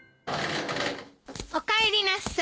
おかえりなさい。